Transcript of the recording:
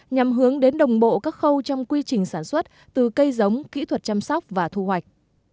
nhằm hướng đến đồng bộ các khâu trong quy trình sản xuất từ cây giống kỹ thuật chăm sóc và thu hoạch